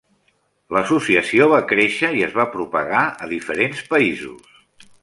L'associació va créixer i es va propagar a diferents països.